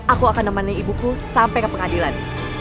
aku akan nemani ibuku sampai ke pengadilan